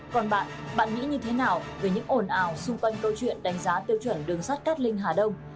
còn bạn bạn nghĩ như thế nào về những ổn ào xung quanh câu chuyện đánh giá tiêu chuẩn đường sát gắt linh hà đông